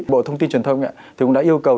bộ thông tin truyền thông cũng đã yêu cầu